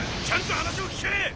ちゃんと話を聞け！